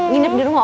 nginep di rumah